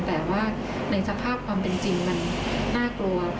แต่ว่าในสภาพความเป็นจริงมันน่ากลัว